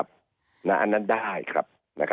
อันนั้นได้ครับ